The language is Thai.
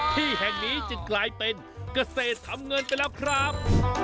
ที่แห่งนี้จึงกลายเป็นเกษตรทำเงินไปแล้วครับ